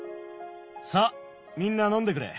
さあみんな飲んでくれ。